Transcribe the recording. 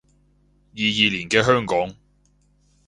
二二年嘅香港